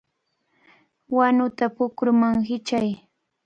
¡Wanuta pukruman hichay!